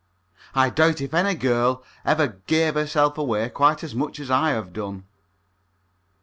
I doubt if any girl ever gave herself away quite as much as I have done.